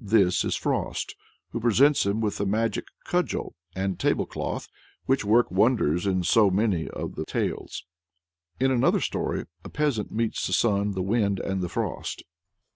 This is Frost, who presents him with the magic cudgel and table cloth which work wonders in so many of the tales. In another story, a peasant meets the Sun, the Wind, and the Frost.